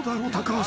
橋。